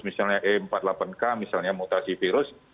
misalnya e empat puluh delapan k misalnya mutasi virus